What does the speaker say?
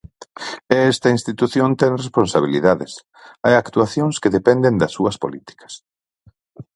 E esta institución ten responsabilidades, hai actuacións que dependen das súas políticas.